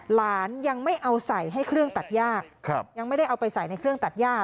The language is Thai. หลานยังไม่เอาใส่ให้เครื่องตัดย่ายังไม่ได้เอาไปใส่ในเครื่องตัดย่า